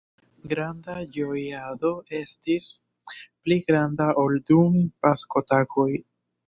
Granda ĝojado estis, pli granda ol dum Paskotagoj.